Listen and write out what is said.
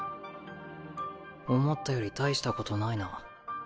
思ったより大したことないな。